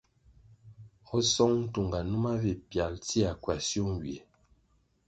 O Song Ntunga, numa vi pyalʼ tsia kwasio nywie.